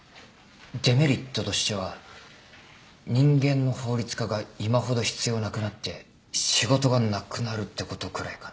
デメリットとしては人間の法律家が今ほど必要なくなって仕事がなくなるってことくらいかな。